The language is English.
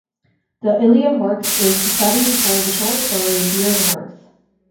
The Ilium Works is the setting for the short story "Deer in the Works".